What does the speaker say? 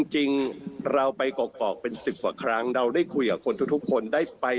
จริงเราไปกรอกเป็น๑๐กว่าครั้งเราได้คุยกับคนทุกคนได้ไป